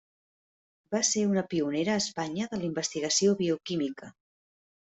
Va ser una pionera a Espanya de la investigació bioquímica.